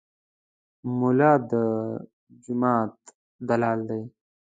ملا د جومات دلال دی.